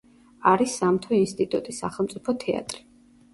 არის სამთო ინსტიტუტი, სახელმწიფო თეატრი.